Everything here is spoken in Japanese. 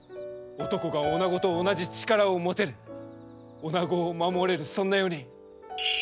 男が女と同じ力を持てる女を守れるそんな世に。